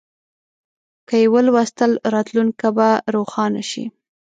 که یې ولوستل، راتلونکی به روښانه شي.